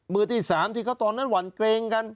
มือที่๓ที่เขาตอนนั้นหวั่นเกรงกัน